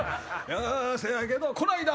せやけどこないだ